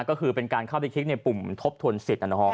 ก็คือเป็นการเข้าไปคลิกในปุ่มทบทวนสิทธิ์